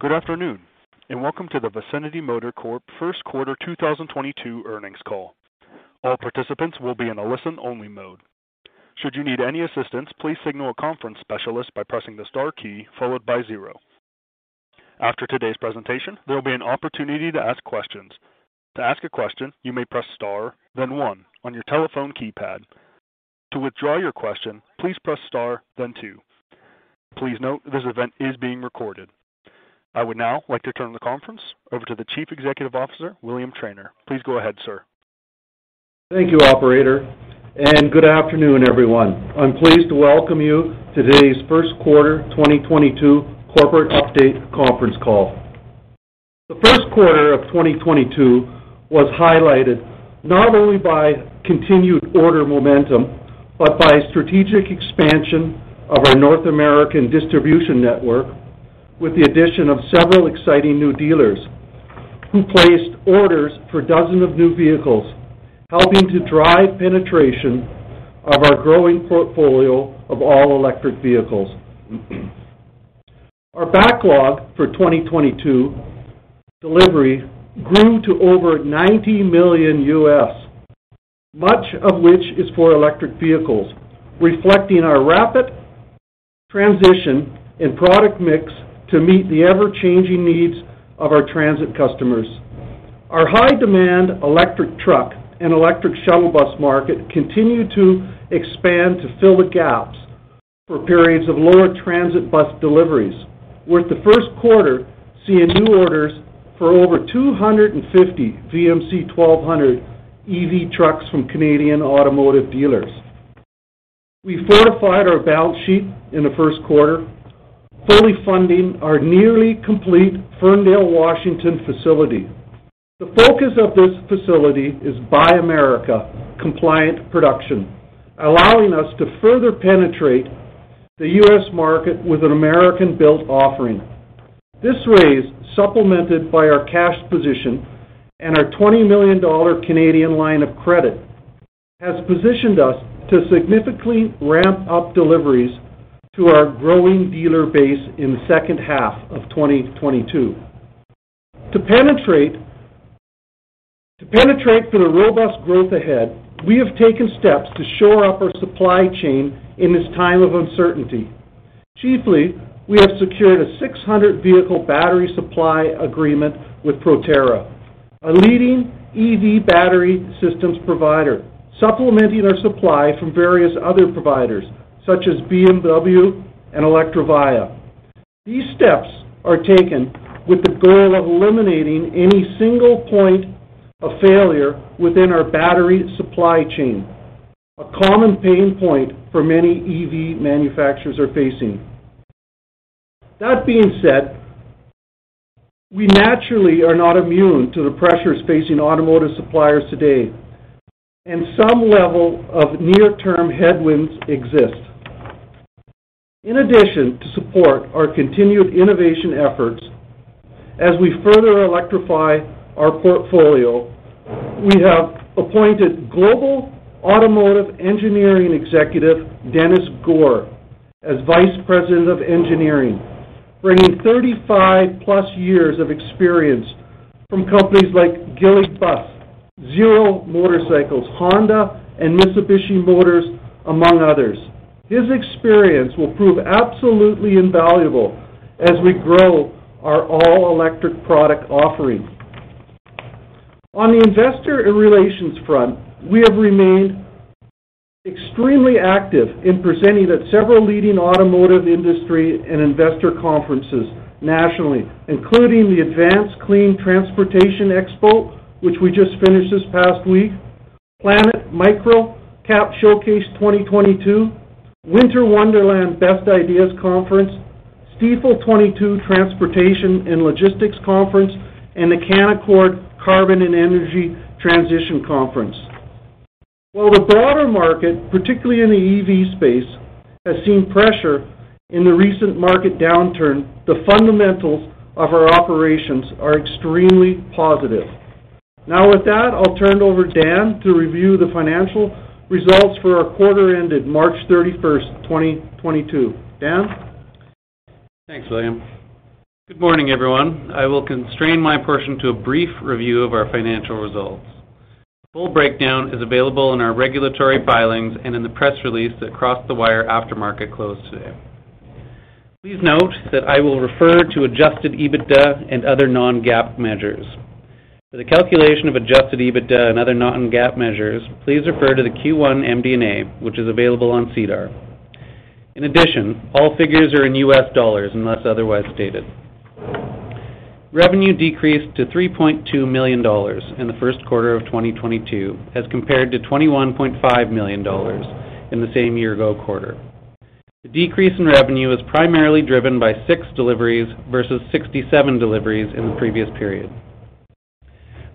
Good afternoon, and welcome to the Vicinity Motor Corp First Quarter 2022 Earnings Call. All participants will be in a listen-only mode. Should you need any assistance, please signal a conference specialist by pressing the star key followed by zero. After today's presentation, there will be an opportunity to ask questions. To ask a question, you may press star, then one on your telephone keypad. To withdraw your question, please press star then two. Please note this event is being recorded. I would now like to turn the conference over to the Chief Executive Officer, William Trainer. Please go ahead, sir. Thank you, operator, and good afternoon, everyone. I'm pleased to welcome you to today's first quarter 2022 corporate update conference call. The first quarter of 2022 was highlighted not only by continued order momentum, but by strategic expansion of our North American distribution network with the addition of several exciting new dealers who placed orders for dozens of new vehicles, helping to drive penetration of our growing portfolio of all electric vehicles. Our backlog for 2022 delivery grew to over $90 million, much of which is for electric vehicles, reflecting our rapid transition in product mix to meet the ever-changing needs of our transit customers. Our high demand electric truck and electric shuttle bus market continues to expand to fill the gaps for periods of lower transit bus deliveries, with the first quarter seeing new orders for over 250 VMC 1200 EV trucks from Canadian automotive dealers. We fortified our balance sheet in the first quarter, fully funding our nearly complete Ferndale, Washington facility. The focus of this facility is Buy American compliant production, allowing us to further penetrate the U.S. market with an American-built offering. This raise, supplemented by our cash position and our $20 million Canadian line of credit, has positioned us to significantly ramp up deliveries to our growing dealer base in the second half of 2022. To penetrate for the robust growth ahead, we have taken steps to shore up our supply chain in this time of uncertainty. Chiefly, we have secured a 600-vehicle battery supply agreement with Proterra, a leading EV battery systems provider, supplementing our supply from various other providers such as BMW and Electrovaya. These steps are taken with the goal of eliminating any single point of failure within our battery supply chain, a common pain point for many EV manufacturers are facing. That being said, we naturally are not immune to the pressures facing automotive suppliers today and some level of near-term headwinds exist. In addition, to support our continued innovation efforts as we further electrify our portfolio, we have appointed global automotive engineering executive, Dennis Gore, as Vice President of Engineering, bringing 35+ years of experience from companies like Gillig, Zero Motorcycles, Honda, and Mitsubishi Motors, among others. His experience will prove absolutely invaluable as we grow our all-electric product offering. On the investor relations front, we have remained extremely active in presenting at several leading automotive industry and investor conferences nationally, including the Advanced Clean Transportation Expo, which we just finished this past week, Planet MicroCap Showcase 2022, Winter Wonderland Best Ideas Conference, Stifel 2022 Transportation and Logistics Conference, and the Canaccord Carbon and Energy Transition Conference. While the broader market, particularly in the EV space, has seen pressure in the recent market downturn, the fundamentals of our operations are extremely positive. Now with that, I'll turn it over to Dan to review the financial results for our quarter ended March 31, 2022. Dan? Thanks, William. Good morning, everyone. I will constrain my portion to a brief review of our financial results. The full breakdown is available in our regulatory filings and in the press release that crossed the wire after market closed today. Please note that I will refer to adjusted EBITDA and other non-GAAP measures. For the calculation of adjusted EBITDA and other non-GAAP measures, please refer to the Q1 MD&A, which is available on SEDAR. In addition, all figures are in U.S. dollars unless otherwise stated. Revenue decreased to $3.2 million in the first quarter of 2022, as compared to $21.5 million in the same year ago quarter. The decrease in revenue was primarily driven by six deliveries versus 67 deliveries in the previous period.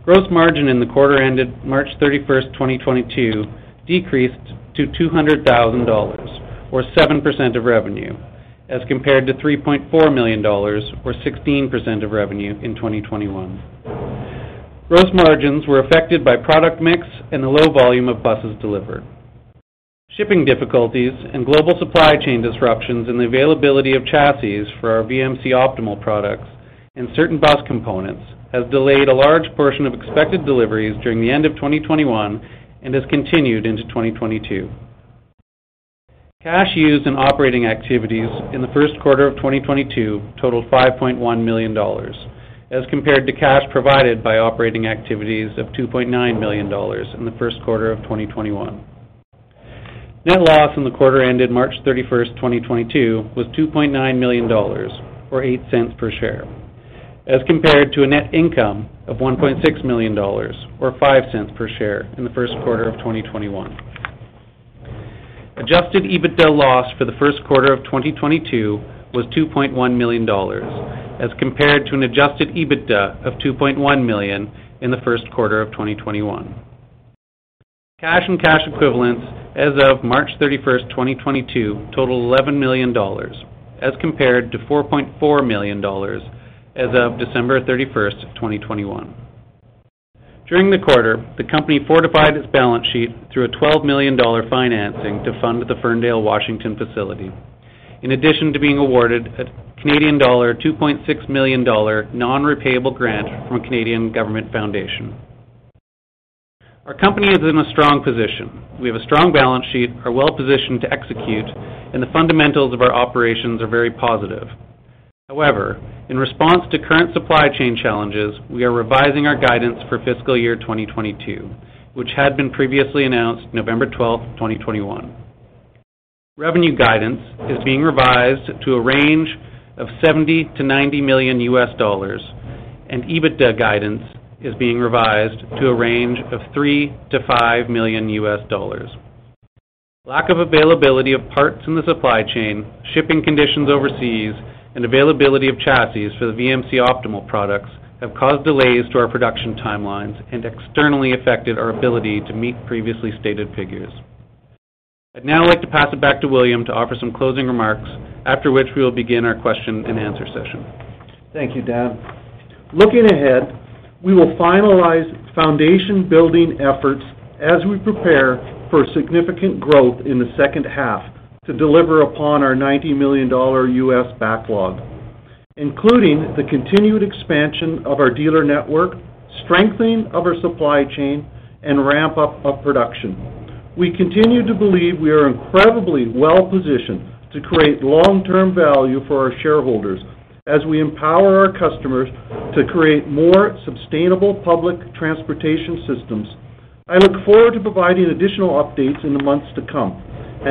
Gross margin in the quarter ended March 31, 2022 decreased to $200,000 or 7% of revenue as compared to $3.4 million or 16% of revenue in 2021. Gross margins were affected by product mix and the low volume of buses delivered. Shipping difficulties and global supply chain disruptions in the availability of chassis for our VMC Optimal products and certain bus components has delayed a large portion of expected deliveries during the end of 2021 and has continued into 2022. Cash used in operating activities in the first quarter of 2022 totaled $5.1 million, as compared to cash provided by operating activities of $2.9 million in the first quarter of 2021. Net loss in the quarter ended March 31, 2022 was $2.9 million or $0.08 per share, as compared to a net income of $1.6 million or $0.05 per share in the first quarter of 2021. Adjusted EBITDA loss for the first quarter of 2022 was $2.1 million as compared to an adjusted EBITDA of $2.1 million in the first quarter of 2021. Cash and cash equivalents as of March 31st, 2022 total $11 million as compared to $4.4 million as of December 31st, 2021. During the quarter, the company fortified its balance sheet through a $12 million financing to fund the Ferndale, Washington facility. In addition to being awarded a Canadian dollar 2.6 million non-repayable grant from Canada Foundation for Innovation. Our company is in a strong position. We have a strong balance sheet, are well positioned to execute, and the fundamentals of our operations are very positive. However, in response to current supply chain challenges, we are revising our guidance for fiscal year 2022, which had been previously announced November 12, 2021. Revenue guidance is being revised to a range of $70-$90 million, and EBITDA guidance is being revised to a range of $3-$5 million. Lack of availability of parts in the supply chain, shipping conditions overseas, and availability of chassis for the VMC Optimal products have caused delays to our production timelines and externally affected our ability to meet previously stated figures. I'd now like to pass it back to William Trainer to offer some closing remarks, after which we will begin our question and answer session. Thank you, Dan. Looking ahead, we will finalize foundation building efforts as we prepare for significant growth in the second half to deliver upon our $90 million U.S. backlog, including the continued expansion of our dealer network, strengthening of our supply chain, and ramp up of production. We continue to believe we are incredibly well-positioned to create long-term value for our shareholders as we empower our customers to create more sustainable public transportation systems. I look forward to providing additional updates in the months to come.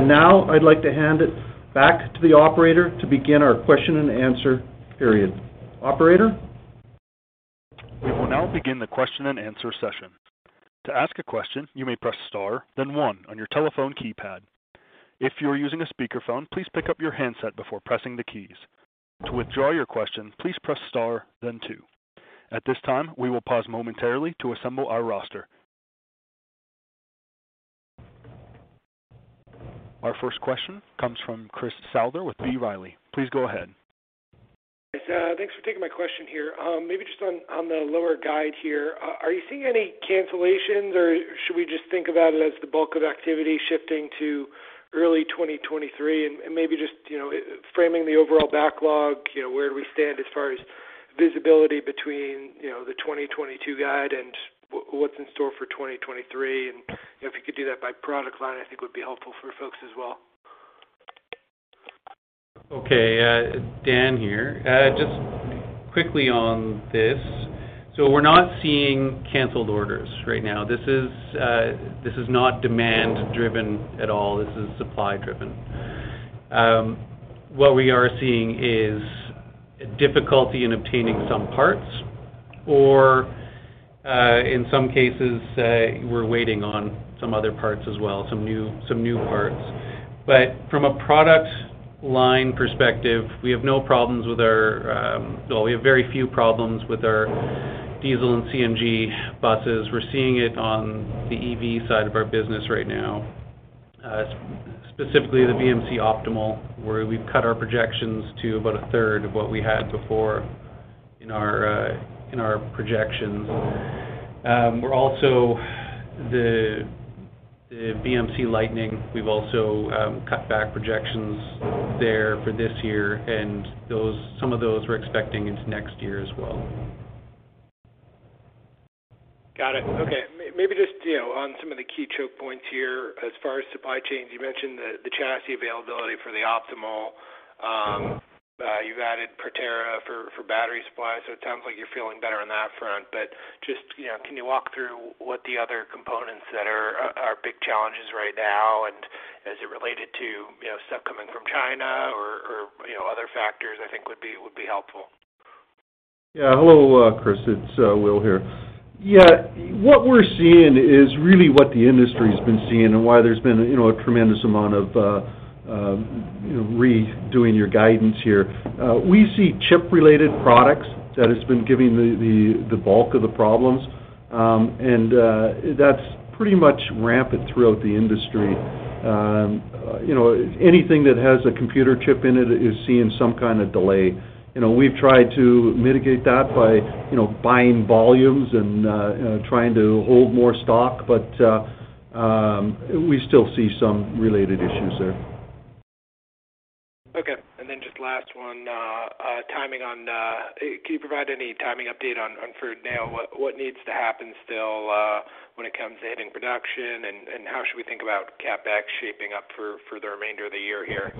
Now I'd like to hand it back to the operator to begin our question and answer period. Operator? We will now begin the question and answer session. To ask a question, you may press star, then one on your telephone keypad. If you are using a speakerphone, please pick up your handset before pressing the keys. To withdraw your question, please press star then two. At this time, we will pause momentarily to assemble our roster. Our first question comes from Chris Souther with B. Riley. Please go ahead. Thanks, thanks for taking my question here. Maybe just on the lower guide here. Are you seeing any cancellations or should we just think about it as the bulk of activity shifting to early 2023 and maybe just, you know, framing the overall backlog, you know, where do we stand as far as visibility between, you know, the 2022 guide and what's in store for 2023? You know, if you could do that by product line, I think would be helpful for folks as well. Okay, Dan here. Just quickly on this. We're not seeing canceled orders right now. This is not demand driven at all. This is supply driven. What we are seeing is difficulty in obtaining some parts or, in some cases, we're waiting on some other parts as well, some new parts. From a product line perspective, we have very few problems with our diesel and CNG buses. We're seeing it on the EV side of our business right now, specifically the VMC Optimal, where we've cut our projections to about a third of what we had before in our projections. We're also the VMC Lightning, we've also cut back projections there for this year. Some of those we're expecting into next year as well. Got it. Okay. Maybe just, you know, on some of the key choke points here as far as supply chains, you mentioned the chassis availability for the Optimal. You've added Proterra for battery supply, so it sounds like you're feeling better on that front. Just, you know, can you walk through what the other components that are big challenges right now, and is it related to, you know, stuff coming from China or you know, other factors, I think would be helpful. Yeah. Hello, Chris. It's Will here. Yeah. What we're seeing is really what the industry's been seeing and why there's been, you know, a tremendous amount of redoing your guidance here. We see chip-related products that has been giving the bulk of the problems. That's pretty much rampant throughout the industry. You know, anything that has a computer chip in it is seeing some kind of delay. You know, we've tried to mitigate that by, you know, buying volumes and trying to hold more stock, but we still see some related issues there. Okay. Just last one, timing on, can you provide any timing update on Ferndale? What needs to happen still, when it comes in production? How should we think about CapEx shaping up for the remainder of the year here?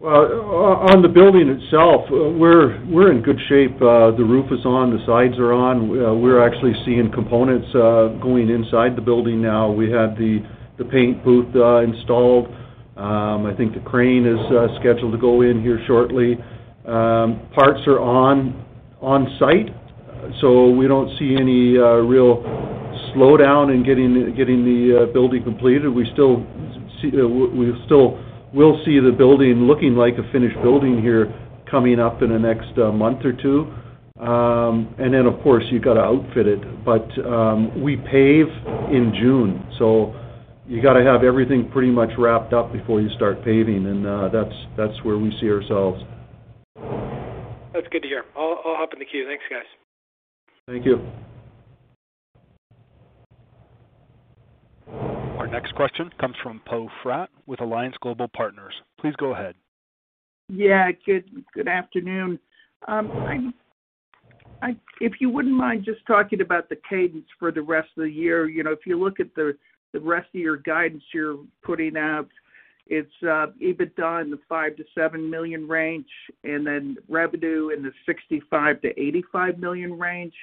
Well, on the building itself, we're in good shape. The roof is on, the sides are on. We're actually seeing components going inside the building now. We have the paint booth installed. I think the crane is scheduled to go in here shortly. Parts are on site, so we don't see any real slowdown in getting the building completed. We still will see the building looking like a finished building here coming up in the next month or two. And then of course, you gotta outfit it. We pave in June, so you gotta have everything pretty much wrapped up before you start paving, and that's where we see ourselves. That's good to hear. I'll hop in the queue. Thanks, guys. Thank you. Our next question comes from Poe Fratt with Alliance Global Partners. Please go ahead. Yeah, good afternoon. If you wouldn't mind just talking about the cadence for the rest of the year. You know, if you look at the rest of your guidance you're putting out, it's EBITDA in the 5 million-7 million range, and then revenue in the 65 million-85 million range,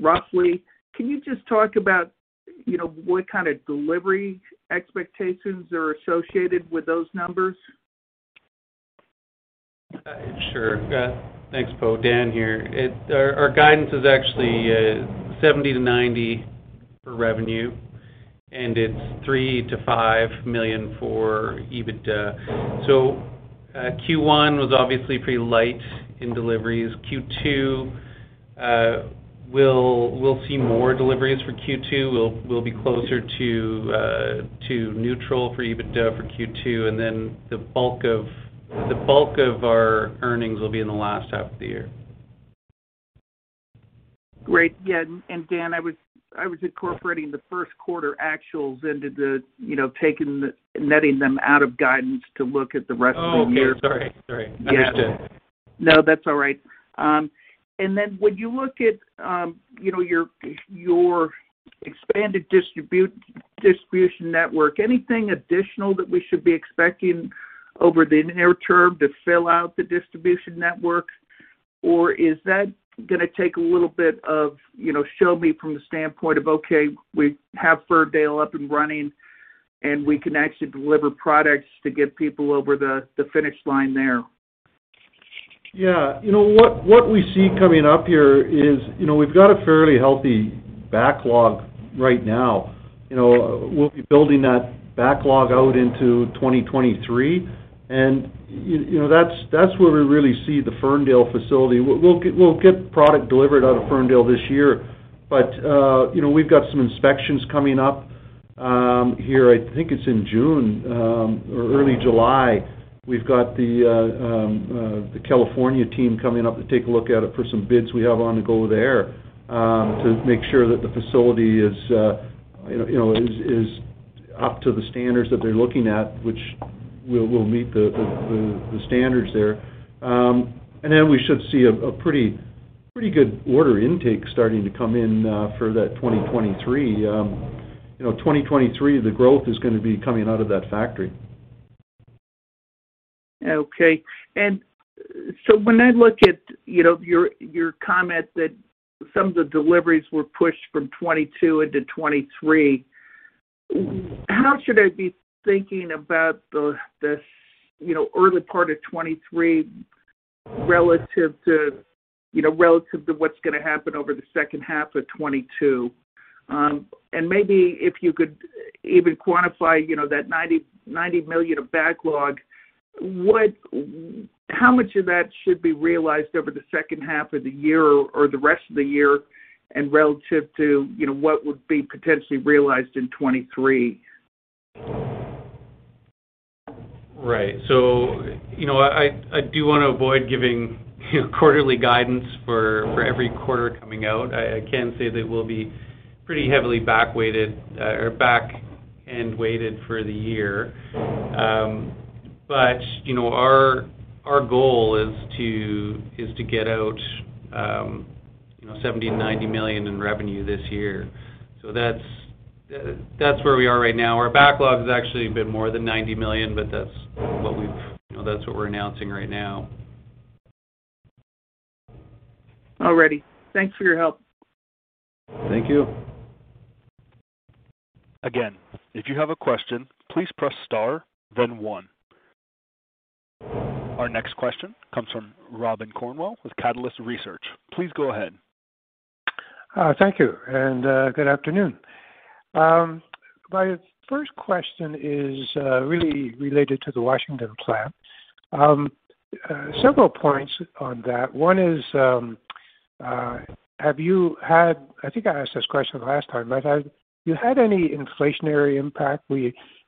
roughly. Can you just talk about, you know, what kind of delivery expectations are associated with those numbers? Sure. Thanks, Poe. Dan here. Our guidance is actually $70-$90 for revenue, and it's $3 million-$5 million for EBITDA. Q1 was obviously pretty light in deliveries. Q2, we'll see more deliveries for Q2. We'll be closer to neutral for EBITDA for Q2, and then the bulk of our earnings will be in the last half of the year. Great. Yeah, Dan, I was incorporating the first quarter actuals into the, you know, netting them out of guidance to look at the rest of the year. Oh, okay. Sorry. Understood. Yeah. No, that's all right. When you look at your expanded distribution network, anything additional that we should be expecting over the near term to fill out the distribution network? Or is that gonna take a little bit of, you know, some time from the standpoint of, okay, we have Ferndale up and running, and we can actually deliver products to get people over the finish line there? Yeah. You know, what we see coming up here is, you know, we've got a fairly healthy backlog right now. You know, we'll be building that backlog out into 2023, and you know, that's where we really see the Ferndale facility. We'll get product delivered out of Ferndale this year, but you know, we've got some inspections coming up here, I think it's in June or early July. We've got the California team coming up to take a look at it for some bids we have on the go there, to make sure that the facility is, you know, up to the standards that they're looking at, which we'll meet the standards there. We should see a pretty good order intake starting to come in for that 2023. You know, 2023, the growth is gonna be coming out of that factory. Okay. When I look at, you know, your comment that some of the deliveries were pushed from 2022 into 2023, how should I be thinking about the, you know, early part of 2023 relative to what's gonna happen over the second half of 2022? Maybe if you could even quantify, you know, that $90 million of backlog, how much of that should be realized over the second half of the year or the rest of the year and relative to, you know, what would be potentially realized in 2023? Right. You know, I do wanna avoid giving, you know, quarterly guidance for every quarter coming out. I can say that we'll be pretty heavily back-weighted, or back-end weighted for the year. You know, our goal is to get out 70 million-90 million in revenue this year. That's where we are right now. Our backlog is actually a bit more than 90 million, but that's what we've, you know, that's what we're announcing right now. All right. Thanks for your help. Thank you. Again, if you have a question, please press star then one. Our next question comes from Robin Cornwell with Catalyst Research. Please go ahead. Thank you, and good afternoon. My first question is really related to the Washington plant. Several points on that. One is, have you had any inflationary impact? I think I asked this question the last time.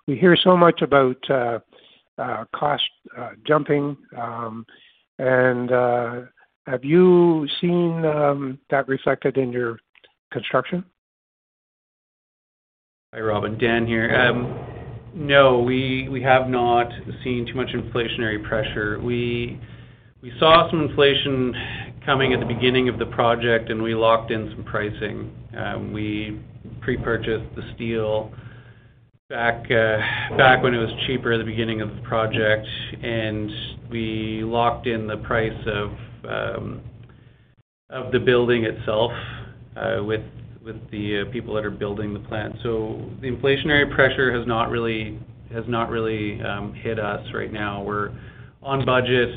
We hear so much about cost jumping, and have you seen that reflected in your construction? Hi, Robin. Dan here. No, we have not seen too much inflationary pressure. We saw some inflation coming at the beginning of the project, and we locked in some pricing. We pre-purchased the steel back when it was cheaper at the beginning of the project, and we locked in the price of the building itself with the people that are building the plant. The inflationary pressure has not really hit us right now. We're on budget,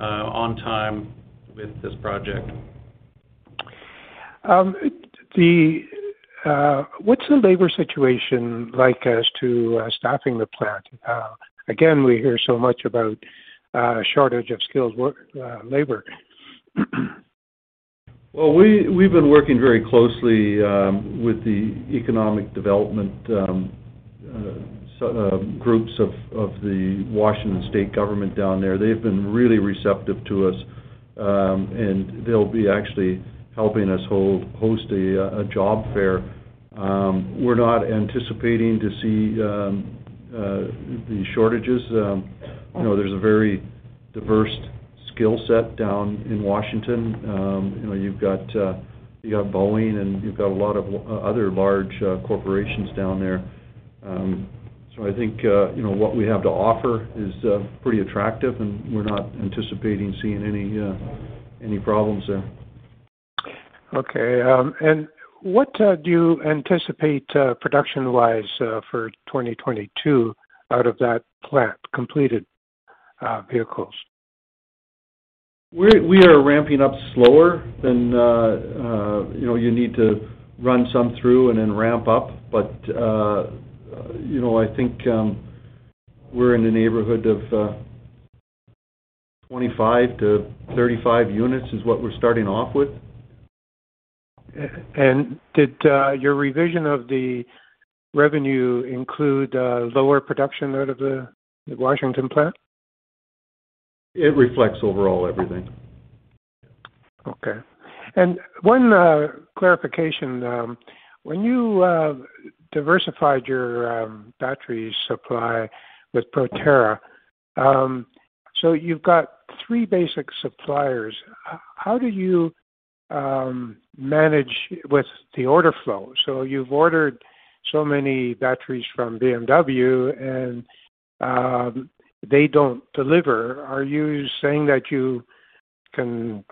on time with this project. What's the labor situation like as to staffing the plant? Again, we hear so much about shortage of skilled labor. We've been working very closely with the economic development groups of the Washington State government down there. They've been really receptive to us. They'll be actually helping us host a job fair. We're not anticipating to see the shortages. There's a very diverse skill set down in Washington. You know, you've got Boeing, and you've got a lot of other large corporations down there. I think, you know, what we have to offer is pretty attractive, and we're not anticipating seeing any problems there. Okay. What do you anticipate production-wise for 2022 out of that plant completed vehicles? We are ramping up slower than you know you need to run some through and then ramp up. You know, I think we're in the neighborhood of 25-35 units is what we're starting off with. Did your revision of the revenue include lower production out of the Washington plant? It reflects overall everything. Okay. One clarification. When you diversified your battery supply with Proterra. You've got three basic suppliers. How do you manage with the order flow? You've ordered so many batteries from BMW, and they don't deliver. Are you saying that you can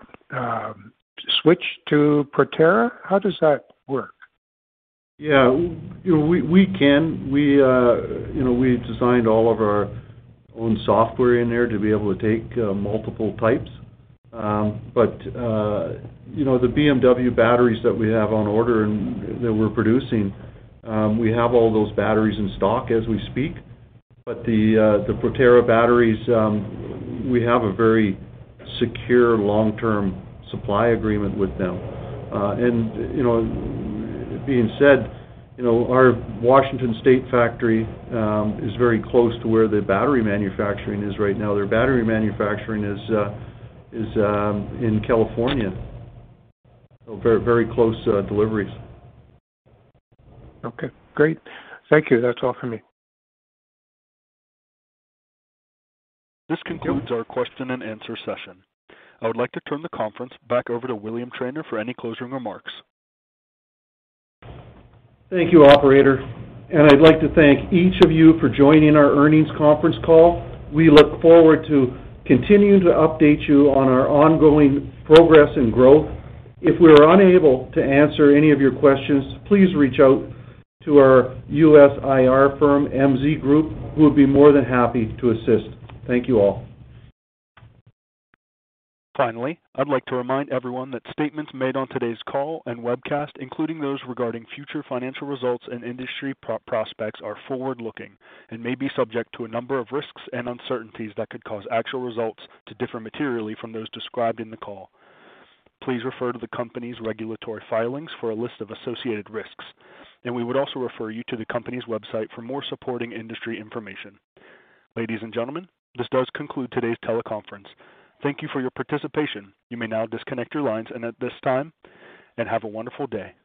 switch to Proterra? How does that work? Yeah. We can. You know, we designed all of our own software in there to be able to take multiple types. You know, the BMW batteries that we have on order and that we're producing, we have all those batteries in stock as we speak. The Proterra batteries, we have a very secure long-term supply agreement with them. You know, being said, you know, our Washington state factory is very close to where the battery manufacturing is right now. Their battery manufacturing is in California. Very close deliveries. Okay, great. Thank you. That's all for me. This concludes our question and answer session. I would like to turn the conference back over to William Trainer for any closing remarks. Thank you, operator, and I'd like to thank each of you for joining our earnings conference call. We look forward to continuing to update you on our ongoing progress and growth. If we are unable to answer any of your questions, please reach out to our U.S. IR firm, MZ Group. We'll be more than happy to assist. Thank you all. Finally, I'd like to remind everyone that statements made on today's call and webcast, including those regarding future financial results and industry prospects, are forward-looking and may be subject to a number of risks and uncertainties that could cause actual results to differ materially from those described in the call. Please refer to the company's regulatory filings for a list of associated risks, and we would also refer you to the company's website for more supporting industry information. Ladies and gentlemen, this does conclude today's teleconference. Thank you for your participation. You may now disconnect your lines at this time and have a wonderful day.